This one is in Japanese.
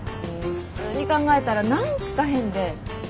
普通に考えたら何か変で。